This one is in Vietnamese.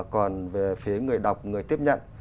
còn về phía người đọc người tiếp nhận